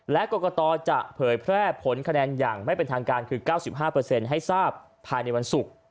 และกรกตจะเผยแพร่ผลคะแนนอย่างไม่เป็นทางการคือ๙๕ให้ทราบภายในวันศุกร์